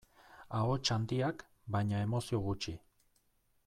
Ahots handiak, baina emozio gutxi.